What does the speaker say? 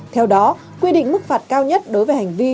theo đó quy định mức phạt cao nhất đối với hành vi